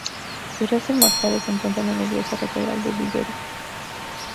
Sus restos mortales se encuentran en la Iglesia Catedral de Villarrica.